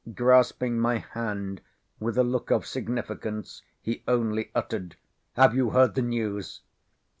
Grasping my hand with a look of significance, he only uttered,—"Have you heard the news?"